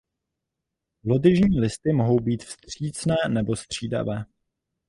Lodyžní listy mohou být vstřícné nebo střídavé.